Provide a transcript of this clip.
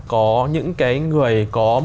có những cái người có